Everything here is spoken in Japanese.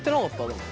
でも。